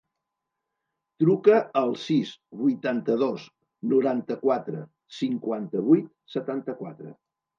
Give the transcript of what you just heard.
Truca al sis, vuitanta-dos, noranta-quatre, cinquanta-vuit, setanta-quatre.